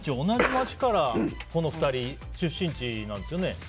同じ町からこの２人、出身地なんですね。